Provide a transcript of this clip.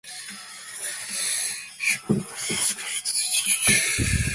The Principal of the Hulme Grammar Schools is Mr. Craig Mairs.